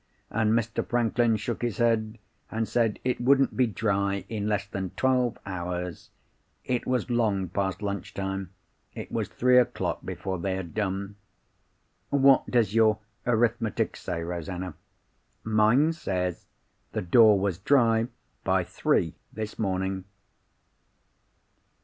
And Mr. Franklin shook his head, and said it wouldn't be dry in less than twelve hours. It was long past luncheon time—it was three o'clock before they had done. What does your arithmetic say, Rosanna? Mine says the door was dry by three this morning.